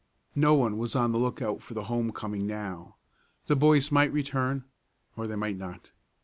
No one was on the lookout for the home coming now. The boys might return, or they might not.